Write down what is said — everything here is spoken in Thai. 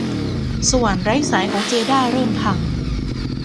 สว่านไร้สายของเจด้าเริ่มพัง